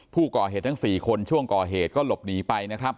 ผู้ก่อเหตุทั้ง๔คนช่วงก่อเหตุก็หลบหนีไปนะครับ